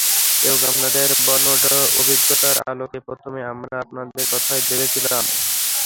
এবং আপনাদের বর্ণাঢ্য অভিজ্ঞতার আলোকে প্রথমে আমরা আপনাদের কথাই ভেবেছিলাম।